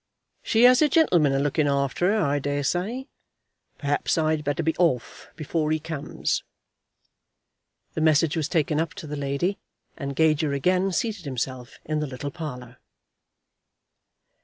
She has a gentleman a looking after her, I daresay. Perhaps I'd better be off before he comes." The message was taken up to the lady, and Gager again seated himself in the little parlour.